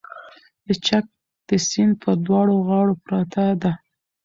د چک د سیند پر دواړو غاړو پرته ده